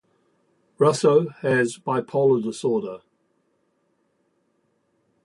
Russo has bipolar disorder.